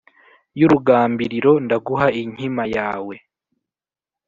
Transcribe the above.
y’ urugambiriro ndaguha inkima yawe.’